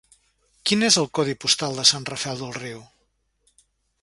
Quin és el codi postal de Sant Rafel del Riu?